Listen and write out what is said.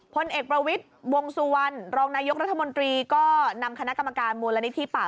พลเอกประวิทย์วงสุวรรณรองนายกรัฐมนตรีก็นำคณะกรรมการมูลนิธิป่า